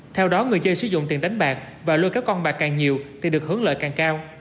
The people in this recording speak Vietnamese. theo đó người chơi sử dụng tiền đánh bạc và lôi kéo con bạc càng nhiều thì được hưởng lợi càng cao